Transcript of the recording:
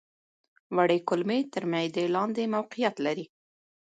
وړې کولمې تر معدې لاندې موقعیت لري.